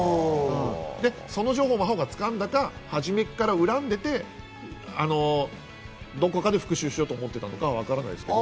で、その情報を真帆が掴んだか、初めから恨んでいて、どこかで復讐しようと思っていたのかはわからないですけど。